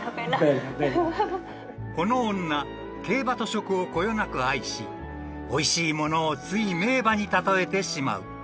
［この女競馬と食をこよなく愛しおいしいものをつい名馬に例えてしまう］